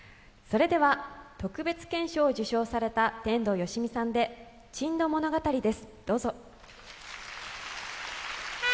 特別顕彰を受賞された天童よしみさんで「珍島物語」です。